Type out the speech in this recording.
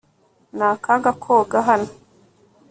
ni akaga koga hano